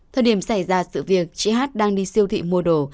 thời điểm xảy ra sự việc chị hát đang đi siêu thị mua đồ